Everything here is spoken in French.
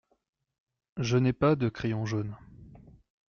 Je n’ai pas de crayon jaune.